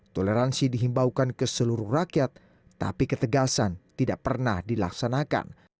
toleransi dihimbaukan ke seluruh rakyat tapi ketegasan tidak pernah dilaksanakan